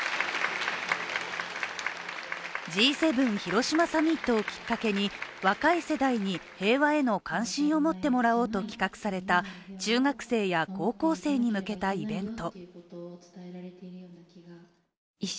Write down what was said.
Ｇ７広島サミットをきっかけに若い世代に平和への関心を持ってもらおうと企画された中学生や高校生に向けたイベント。